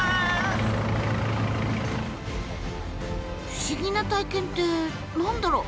不思議な体験って何だろう？